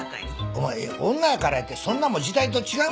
お前女やからってそんなもん時代と違うやん。